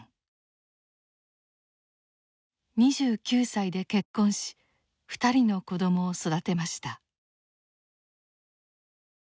２９歳で結婚し２人の子どもを育てました。